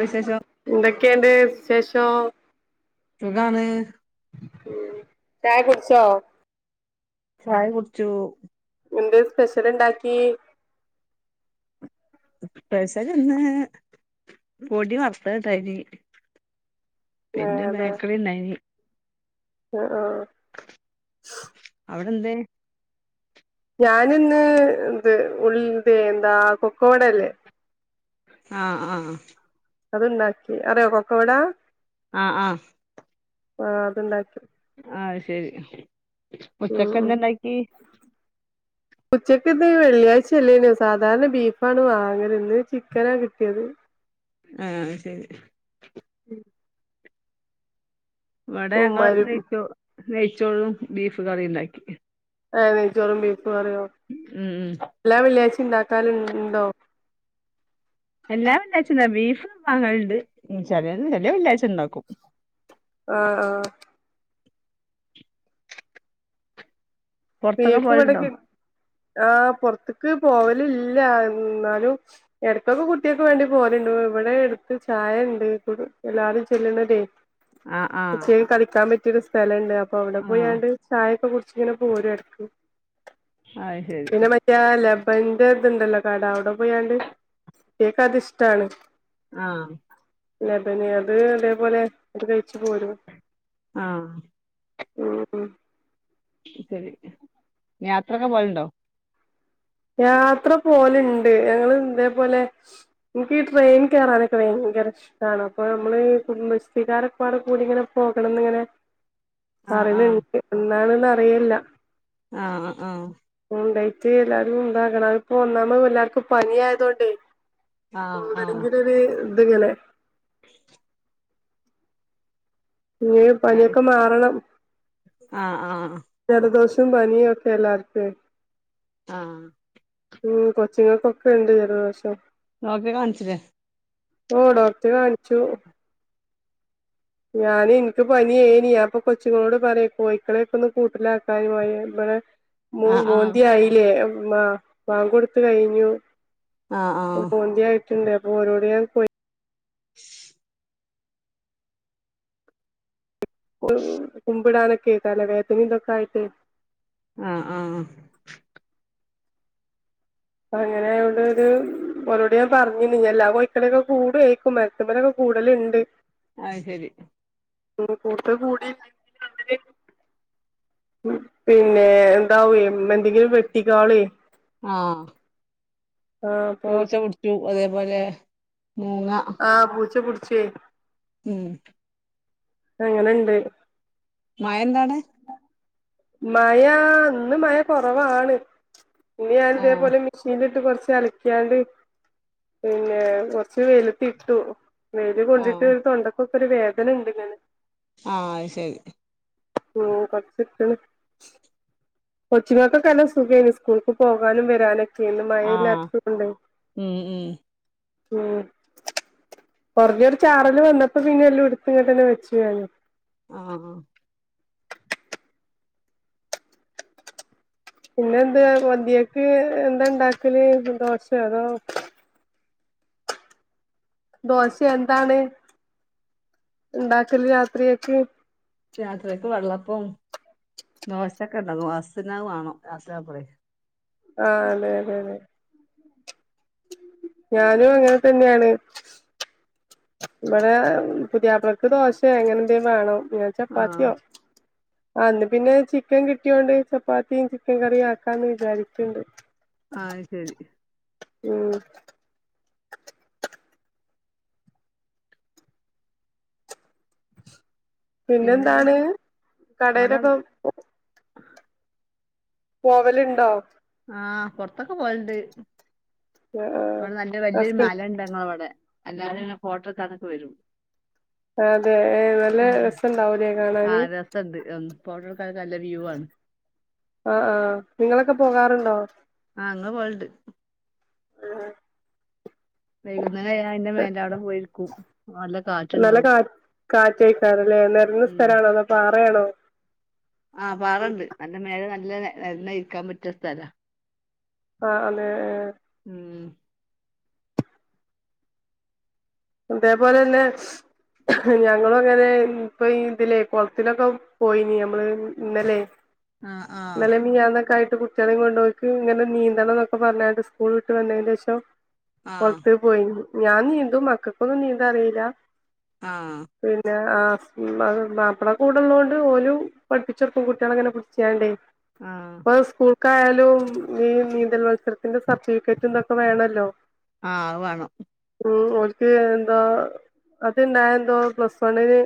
വിശേഷം എന്തൊക്കെണ്ട് വിശേഷം സ [inaudible] സുഖാണ് ചായ കുടിച്ചോ ചായ കുടിച്ചു എന്ത് സ്പെഷ്യല് ഇണ്ടാക്കി സ്പെഷല്ന്ന് പൊടി വർത്തത് ണ്ടായിന് പിന്നെ ബേക്കറി ഇണ്ടായിനി ആ ആ അവിടെ എന്തേ ഞാനിന്ന് ഇന്ന് എന്താ കൊക്കോടല്ലേ ആഹ് ആഹ് അതുണ്ടാക്കി അറിയോ കൊക്കവടാ ആഹ് ആഹ് ആഹ് അത്ണ്ടാക്കി ആഹ് അയ്ശരി ഉം ഉം ഉച്ചക്കന്തണ്ടാക്കി ഉച്ചക്ക് ഇത് വെള്ളിയാഴ്ചയല്ലേനോ സാധാരണ ബീഫാണ് വാങ്ങല് ഇന്ന് ചിക്കനാ കിട്ടിയത് ആഹ് അയ്ശരി ഉം ഇവിടെ ഞങ്ങൾ ഉമ്മാരി നെയിച്ചോ നേയ്ച്ചോറും ബീഫ് കറി ഉണ്ടാക്കി [unintelligible] അറിയോ ഉം ഉം എല്ലാ വെള്ളിയാഴ്ച ഇണ്ടാക്കാലും ഇണ്ടോ എല്ലാം വെള്ളാഴ്ച്ചന്താ ബീഫ് വാങ്ങലണ്ട് ചെല വെള്ള്യാച ഉണ്ടാക്കും ആഹ് ആഹ് പൊറത്തൊക്കെ പോവലുണ്ടോ ബിഫവിടകി ആഹ് പുറത്ത ക്ക് പോവലില്ല എന്നാലും ഇടക്കൊക്കെ കുട്ടികക്ക് വേണ്ടി പോവലുണ്ട് ഇവിടെ അടുത്ത് ചായ ഇണ്ട് എല്ലാരും ചെല്ലുന്നതേ ആഹ് ആഹ് ച്ചക്ക് കളിക്കാൻ പ ത്തിരി സ്ഥലണ്ട് അ അപ്പൊ അവിടെ ആഹ് പോയാണ്ട് ചായൊക്കെ കുടിച്ച് ഇങ്ങനെ പോരുവ അത് ശരി പിന്നെ മറ്റേല്ല അപ്പ എന്റെ ഇതുണ്ടല്ലോ കട അവിടെ പോയാണ്ട് കേക്ക അത് ഇഷ്ടാണ് ആഹ് ലബന് അത് അതേപോലെ അത് കഴിച്ചു പോരും ആഹ് ഉം ശരി യാത്രക്കെ പോവല്ണ്ടോ യാത്ര പോല്ണ്ട് ഞങ്ങള് ഇതേപോലെ, എനിക്കീ ട്രെയിൻ കേറാനൊക്കെ ഭയങ്കര ഇഷ്ടാണ് അപ്പൊ നമ്മള് കുടുംബശ്രീകാരെക്കാടെ കൂടി ഇങ്ങനെ പോകണംന്ന് ഇങ്ങനെ ആഹ് പറയ്ണ് ആഹ് ണ്ട് എന്നാണ്ന്ന് ന്നാറിയില്ല ആഹ് ആഹ് ഉണ്ടായിട്ട് എല്ലാരും ഇതാകണം. അതിപ്പോ ഒന്നാമത് എല്ലാർക്കും പനിയായതോണ്ടെയ് ആഹ് ആഹ് [unintelligible] ഇത്ങ്ങനെ ഇനി പനിയൊക്കെ മാറണം. ആഹ് ആഹ് ജലദോഷം ത്തും പനിയൊക്കെ എല്ലാർക്കുവേ ആഹ് ഉം കൊച്ച്ങ്ങക്കൊക്കെ ഇണ്ട് ജലദോഷം. ഡോക്ടറെ കാണിച്ചില്ലേ? ഓ ഡോക്ടറെ കാണിച്ചു ഞാന് ഇൻക്ക് പനിയേനി. അപ്പൊ കൊച്ചുങ്ങളോട് പറയാ കോയിക്കളെയൊക്കെ ഒന്ന് കൂട്ടിലാക്കാന് മഴ വര്മ്പളെ മു ആഹ് ആഹ് മോന്തിയായീല്ലേ? മാ ബാങ്കൊട്ത്ത് കഴിഞ്ഞു ആഹ് ആഹ് റ്റ്ണ്ട് അപ്പൊ ഓരോടെ ഞാൻ കോയി [unintelligible] കുമ്പിടാനൊകെ ക്കെയേ തലവേദനയും ഇതൊക്കെ ആയിട്ട് ആഹ് ആഹ് ആഹ് അങ്ങനെ ആയോണ്ട് ഒരു ഓരോട് ഞാൻ പറഞ്ഞിന് ഇനി എല്ലാ കോയിക്കളെയൊക്കെ കൂട് വക്കും മരത്തിൻമേലൊക്കെ കൂടെല്ലാം ഉണ്ട് അത് ശരി ഉം കൂട്ട് കൂടി [unintelligible] പിന്നെ എന്താവേ എന്തെങ്കിലും വെട്ടികാളീ ആഹ് ആഹ് അപ്പൊ പൂച്ച പിടിച്ചു അതേ പോലെ ആഹ് പൂച്ച പുടി ച്ച് ഉം അങ്ങനെണ്ട് മയയുണ്ടോ അവിടെ മയാ ഇന്ന് മയ കൊറവാണ് തുണി ഞാനിതേ ആഹ് പോലെ മെഷീനില് ഇട്ട് കൊറ ച്ചലക്ക്യാണ്ട് പിന്നെ കൊറച്ച് വെയിലത്തിട്ടു വെയില് ആഹ് കൊണ്ടിട്ട് തൊണ്ട ക്കൊക്കൊരു വേദന ഉണ്ട് ഇങ്ങനെ ആഹ് അത് ശെരി ആഹ് കൊറച്ചിട്ട് കൊച്ചിങ്ങക്കൊക്കെ എല്ലാം സുഖേയ്ന് സ്കൂൾക്ക് പോകാനും വരാനും [unintelligible] ആഹ് മഴയില്ലാത്തത് കൊണ്ടെയ് ഉം ഉം ഉം കൊർഞ്ഞൊരു ചാറല് വന്നപ്പൊപിന്നെ എല്ലോഎടുത്ത് ഇങ്ങട്ടന്നെ വെച്ച് ഞാന് ആഹ് പിന്നെ എന്ത് അന്തിയക്ക് എന്താണ്ടാക്കല് ദോഷേ അതോ ദോശ എന്താണ് ഉണ്ടാക്കല് രാത്രിയക്ക് രാത്രിക്ക് വെള്ളപ്പം ദോശെക്കെണ്ടാക്കും ഹസ്സിനത് വാണം ലാസ്റ്റ് ആവുമ്പളെ ആഹ് അതെ അതെ അതെ ഞാനും അങ്ങൻ തെന്നെണ് ഇവടെ പുതിയാപ്ലക്ക് ദോശെ അങ്ങനെ ന്തേ വേണം ഞാൻ ആഹ് ചപ്പാത്ത്യോ ആ ഇന്ന് പിന്നെ ചിക്കൻ കിട്ട്യോണ്ട് ചപ്പാത്തിം ചിക്കൻ കറിം ആക്കാന്ന് വിചാര്ക്ക്ണ്ട്. അഅ് ശെരി ഉം പിന്നെ എന്താണ് ഇവിടെ കടേലൊക്കെ പോവല്ണ്ടോ? ആഹ് പൊർത്തൊക്കെ പോവല്ണ്ട്. ആ ഇവടെ നല്ല വെല്ല്യൊരു ഹസ്ബ മലണ്ട് ഞങ്ങളെ വടെ അല്ലാരുങ്ങനെ ഫോട്ട ട്ക്കാനൊക്കെ വെരും അതെ ഏ നല്ല രസണ്ടാവൂലേ കാണാന് ഫോട്ടെ ട്ക്കാനൊക്കെ നല്ല വ്യൂ ആണ്. ആഹ് ആഹ് നിങ്ങളൊക്കെ പോകാറ്ണ്ടോ? ഞങ്ങള് പോവല്ണ്ട് വൈകുന്നേരായ അയിൻ്റെ മേലെ അവടെ പോയിരിക്കും നല്ല നല്ല കാറ്റ്ണ്ടാവും കാ കാറ്റേക്കാരല്ലേ നെരന്ന ഉം സ്ഥലാണോ അതോ പാറയാണോ ആഹ് പാറ ണ്ട് അയിൻ്റെ മേലെ ന ല്ലേ നന്നെ ഇരിക്കാ പറ്റിയ സ്ഥലാ ആഹ് അതെ ഏ ഉം അതേപോലെ തന്നെ ഞങ്ങളും അങ്ങനെ ഇപ്പം ഇതിലേ കൊളത്തിലൊക്കെ പോയിനി ഞമ്മള് ഇന്നലേ ആ ആ ഇന്നലേം മെൻഞ്ഞന്നാങ്ങാക്കായിട്ട് കുട്ട് കുട്ടികളേം കൊണ്ട്പോയിക്ക് ഇങ്ങനെ നീന്തണന്നൊക്കെ പറഞ്ഞാണ്ട് സ്കൂൾ വിട്ട് വന്നേന്റെ ഷം ആ പൊറത്ത് പോയി ഞാനി ഇതു മക്ക ക്കെന്നും നീന്താറില്ല ആഹ് ആ മാ മാപ്പള കൂടൊള്ളോണ്ട് ഓലും പഠിപ്പിച്ചോർക്കും കുട്ടികളങ്ങനെ പിടിച്ചാണ്ടേ ആഹ് ക്കായാലും ഈ നീന്തല് മത്സരത്തിന്റെ സർട്ടിഫിക്കറ്റെന്തൊക്കെ വേണോല്ലോ ആഹ് വേണം ഉം ഓര് ക്ക്‌ ഏന്താ അത് ഇണ്ടായ എന്തോ പ്ലസ് വണ്ണിന്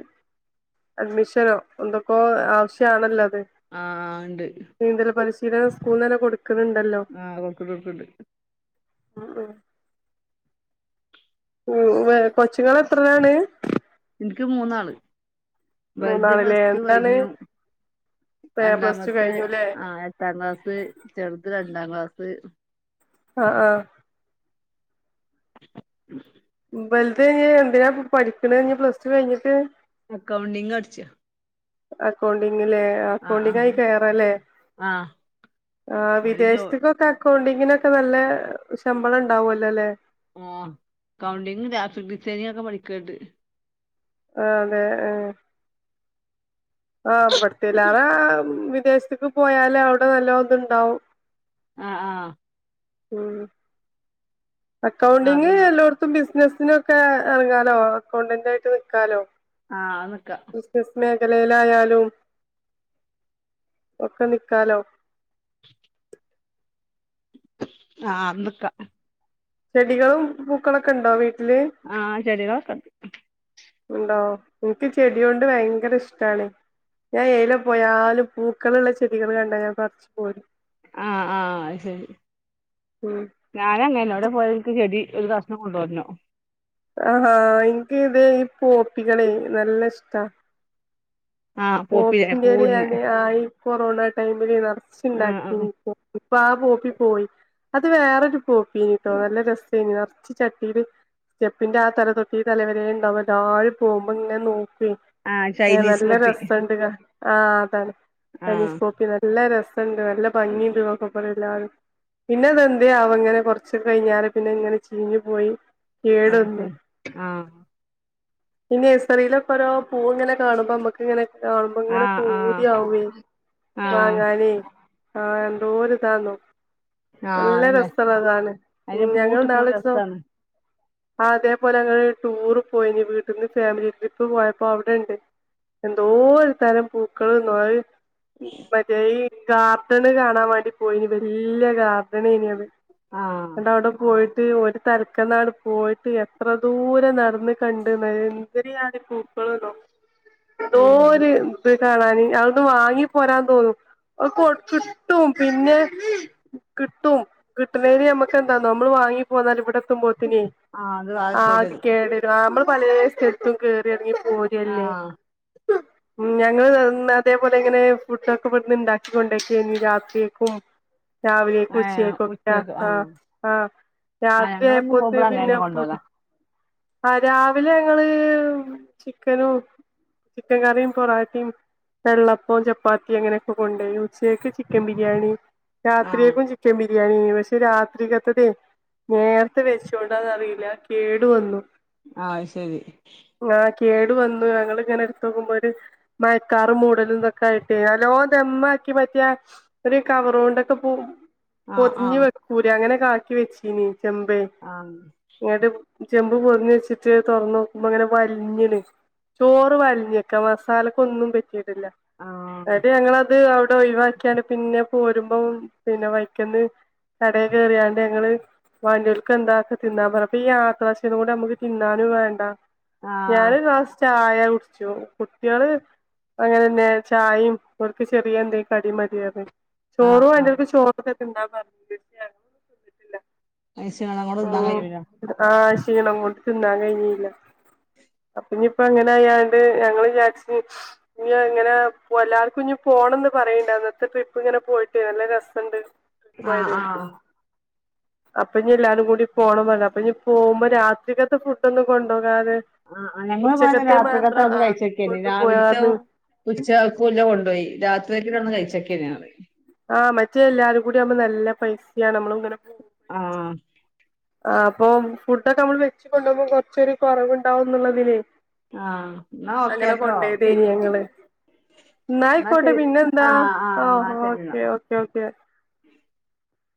അഡ്മിഷനോ എന്തൊക്കോ ആവശ്യാണല്ലോ അത് ആ ആഹ് ഇണ്ട് ഇടേ സ്കൂളന്നെ കൊടു ആഹ് കൊക്ക കൊക്കണ്ട് ഉം ഉം ഉം വെ കൊച്ചുങ്ങളെത്രയാണ് എനിക്ക് മൂന്നാള് വലുത് മൂന്നാളില്ലേ പ്ലസ് ടു എന്താണ് കഴിഞ്ഞു പ്ലസ് ടു രണ്ടാമത്തെ കഴിഞ്ഞുല്ലേ ആ എട്ടാം ക്ലാസ് ചെറുത് രണ്ടാം ക്ലാ സ് ആഹ് ആഹ് വലുത് കഴിഞ്ഞാ എന്തിനാ ഇപ്പ പഠിക്കണെ പ്ലസ് ടു കഴിഞ്ഞിട്ട് അക്കൗണ്ടിങ്ങ് പഠിച്ചു അകൗണ്ടി ഞ്ഞല്ലേ ആ അക്കൗണ്ടിങ്ങ് ആഹ് ആയി കേറാല്ലേ ആഹ് ആ ഓല് ജോ വിദേശത്തക്കൊക്കെ അക്കൗണ്ടിങ്ങിനൊക്കെ നല്ല ശമ്പളം ഉണ്ടാവുല്ലോ അല്ലേ ആ കൗണ്ടിങ് ഗ്രാഫിക് ഡിസൈനിങ് ഒക്കെ പഠിക്കേണ്ട് ആ അതെ ആ ആ ഇവിടത്തേലാ റെ വിദേശത്തക്ക് പോയാല് അവിടെ നല്ല ഒതുണ്ടാവും ആഹ് ആ ഉം അക്കൗണ്ടിങ്ങ് അതുണ്ടാവും എല്ലോയിടത്തും ബിസിനസ് ഇതിനൊക്കെ എറങ്ങാലോ അക്കൗണ്ടന്റ് ആയിട്ട് നിക്കാലോ ആ അത് നിക്ക നിലയിലായാലും ഒക്കെ നിക്കാലോ ആ നിക്കാ ചെടികളും പൂക്കളൊക്കെ ഇണ്ടോ വീ ആ ചെടികളൊക്കണ്ട് ഉണ്ടോ എനിക്ക് ചെടി കൊണ്ട് ഭയങ്കര ഇഷ്ടാണ് ഞാൻ ഏലെ പോയാലും പൂക്കളുള്ള ചെടികൾ കണ്ടാ ഞാൻ പറിച്ച് പോരും ആഹ് ആ അയ്ശരി ഉം ഞാനും അങ്ങനെ എവിടെ പോയാലും എനിക്ക് ചെടി ഒരു കഷ്ണം കൊണ്ടുവരണം ആഹാ എനിക്ക് ഇതേ ഈ പോപ്പികള് നല്ല ഇഷ്ടാ ആഹ് ഓ പോപ്പില്ലേ പൂവിടുന്നെ [unintelligible] ആയി കൊറോണ ടൈമില് ചെയ്താണ് ആഹ് ചിണ്ടാക്കി ആഹ് ഇപ്പാ പോപ്പി പോയി അത് വേറൊരു പോപ്പീട്ടോ നല്ല രസേനി നെറച്ച് ചട്ടീല് സ്റ്റെപ്പിന്റെ ആ തല തൊട്ട് ഈ തലവരെ ഇണ്ടാവും താഴെ പോകുമ്പോ ഇങ്ങനെ നോക്കി ആ ചൈനീസ് പോപ്പി എന്ത് കാ ആ അതാണ് ആഹ് ചൈനീസ് കോപ്പി നല്ല രസ തെണ്ട് നല്ല ഭംഗിണ്ട് [unintelligible] എല്ലാവരും പിന്നെതെന്ത് അവ അങ്ങനെ കൊറച്ച് കഴിഞ്ഞാല് പിന്നെ ഇങ്ങനെ ചീഞ്ഞു പോയി കേട് വന്നു ആരിക്കാണ് ആ ഈ നഴ്സറിയിലൊക്കെ ഓരോ പൂവ് ഇങ്ങനെ കാണുമ്പോ നമ്മുക്ക് ഇങ്ങനെ കാണുമ്പോ ഇങ്ങനെ ആഹ് ആഹ് പൂതിയാവോയ് ആഹ് വാങ്ങാനേ ആ എന്തോര് ഇതാന്നോ ആഹ് നല്ല അതന്നെ രസള്ളതാണ് അയിന്റെ ഞങ്ങൾ പൂവിട്ട്ക്കുമ്പോ ഇന്നാളോസം രസാണ് ആ അതേപോലെ ഒരു ടൂർ പോയിന് വീട്ടീന്ന് ഫാമിലി ട്രിപ്പ് പോയപ്പോ അവിടെ ഇണ്ട് എ എന്തോര് തരം പൂക്കളെന്നോ അവ മറ്റേ ഈ ഗാർഡന് കാണാൻ വേണ്ടി പോയിന് വല്യ ഗാർ [unintelligible] ആഹ് എന്താ അവിടെ പോയിട് ത് ഒരു തരക്കനാട് പോയിട്ട് എത്ര ദൂരം നടന്ന് കണ്ട് നേ എന്തരിയാണ് പൂക്കളെന്നോ ഉം ന്തോര് ത് കാണാന് അത് വാങ്ങി പോരാൻ തോന്നും അ കൊ കിട്ടും പിന്നെ കിട്ടും കിട്ടണേന് നമ്മക്ക് എന്താ നമ്മള് വാങ്ങി പോന്നാൽ ഇവിടെ ത്തുമ്പോത്തിനേ ആഹ് അത് വാഴക്ക ആത് ഇടലും കേ ആ നമ്മള് പലേ സ്ഥലത്തും കേറി എറങ്ങി പോര്യല്ലേ ആഹ് ഉം ഞങ്ങള് ഇതേ നേരത്തേപോലെ ഇങ്ങനെ ഫുഡൊക്കെ ഇവിടുന്ന് ഇണ്ടാക്കി കൊണ്ടേക്കേനി രാത്രിയേക്കും രാവിലെയ്ക്കു ഏഹ് ഉച്ചയ്ക്കൊക്ക ഉച്ചക്ക് ആ ആഹ് ആ ആഹ് രാത്രി ഞങ്ങളവിടുന്ന് ആയപ്പോത്തിരി പോകുമ്പള് പിന്നെ അങ്ങനെന്നെ പുട്ട് കൊണ്ടോവലാ ആ രാവിലെ ഞങ്ങള് ചിക്കനും ചിക്കൻ കറിയും പൊറോട്ടയും വെള്ളപ്പവും ചപ്പാത്തി അങ്ങനെയൊക്കെ കൊണ്ട്പോയി ഉച്ചക്ക് ചിക്കൻ ബിരിയാണി ആഹ് രാത്രിയേക്കും ചിക്കൻബി ബിരിയാണി പക്ഷെ രാത്രിക്കകത്തൊക്കെ നേരത്തെ വെച്ചോണ്ടാന്നറിയില്ല കേടു വന്നു ആ ഹ്ശെരി ആഹ് കേടു വന്നു ഞങ്ങളിങ്ങനെ ത്തോക്കുമ്പോ ഒര് മയക്കാറും മൂടലു തൊക്കെയിട്ട് അല്ലോം ദമ്മാക്കി പറ്റിയ ഒരു കവറ് കൊണ്ടൊക്കെ പോ ആഹ് പൊതിഞ്ഞു ആഹ് വക്കൂലേഅങ്ങനെ ഒക്കെ ആക്കി വെച്ചീനി ചെമ്പ് ആഹ് ഇങ്ങട്ട് ചെമ്പ് പൊതിഞ്ഞ് വെച്ചിട്ട് തുറന്ന് നോക്കുമ്പോ അങ്ങനെ വലഞ്ഞിണ് ചോറ് വലഞ്ഞ വലിഞ്ഞക്ക മസാലക്ക്‌ ഒന്നും പറ്റി ട്ട്ല്ല ആഹ് ഇങ്ങട്ട് ഞങ്ങള് അത് ഇത് ഒഴിവാക്കിയാണ്ട് പിന്നെ പോരുമ്പം പിന്നെ വൈക്കന്ന് കടെ കേറ്യേണ്ട് ഞങ്ങള് വാണ്ട്യൽക് എന്താച്ചാൽ തിന്നാൻ പറ അപ്പൊ ഈ യാത്രാ ക്ഷീണം കൊണ്ട് നമക്ക് തിന്നാനും വേണ്ട ഞന് ആഹ് ഒരു ഗ്ലാസ്സ് ചാ [unintelligible] ചോറ്കുട്ട്യേള് അങ്ങനെന്നെ ചായിം ഓൽക്ക് ചെറിയ എന്തേ കടിം മതി പറഞ്ഞ് ആഹ് ചോറു ആഹ് വേണ്ടിയവർക്ക്ചോറ് എന്താ പറഞ്ഞത് ഞാൻ ശ്രദ്ധിച്ചിട്ടില്ല കഴിച്ച്കാണ്ട് അങ്ങോട്ട് തിന്നാൻ ഉം കഴിയൂല ആഹ് ക്ഷീണം കൊണ്ട് തിന്നാൻ കഴിഞ്ഞില്ല അപ്പൊ ഇനിപ്പങ്ങനായാണ്ട് ഞങ്ങള് വിചാരിച്ച് ഇനി അങ്ങനെ എല്ലാർക്കും ഇനി പോണംന്ന് പറയ്ണ്ട് അന്നത്തെ ട്രിപ്പ് ഇങ്ങനെ പോയിട്ട് നല്ല രസണ്ട് ആ ആ അപ്പഴ ത്തേക്ക് ഇനി എല്ലാരും കൂടി പോണം പറഞ്ഞ് അപ്പൊ പോകുമ്പോ രാത്രിക്കത്തെ ഫുഡൊന്നും ആ ഞങ്ങള് പോയന്ന് രാത്രികത്തെ മാത്രം ഔട്ന്ന് ആഹ് കഴിച്ചോക്കെനി കൊണ്ടു രാവിലത്തെ പോയാന്ന് ഉച്ചക്കക്കുള്ളത് കൊണ്ടോയി രാത് തെക്കിന്റെ ഔട്ന് കഴിച്ചെക്കെനി ഞങ്ങള് ആഹ് മറ്റേ എല്ലാരും കൂടി ആമ്പോ നല്ല പൈസാണ് നമ്മള് ഇങ്ങനെ ആഹ് ആ അപ്പം ഫുഡ് ഒക്കെ നമ്മള് വെച്ച് കൊണ്ടോവുമ്പോ കൊറച്ചൊരു കുറവുണ്ടാവുവെന്നുള്ളതില് ആഹ് ഇന്നാ അങ്ങനെ ഓക്കേട്ടോ കൊണ്ടേയ്തേനി ഞങ്ങള് ഇന്നാ എന്നായിക്കോട്ടെ ശരി പിന്നെ എന്താ ആഹ് ആ ആഹ് ഇന്നാ ശരി ഇന്നാ ഓക്കെ ഓക്കേ ഓക്കെ